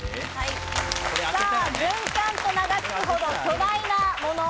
軍艦と名が付くほど巨大なもの。